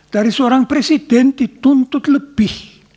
dari seorang presiden dituntut lebih